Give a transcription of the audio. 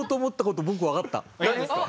何ですか？